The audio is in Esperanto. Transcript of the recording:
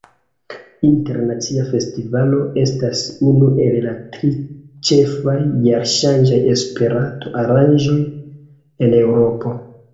Internacia Festivalo estas unu el la tri ĉefaj jarŝanĝaj Esperanto-aranĝoj en Eŭropo.